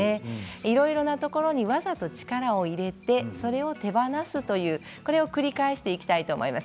いろいろなところに技と力を入れてそれを手放すというそれを繰り返していきたいと思います。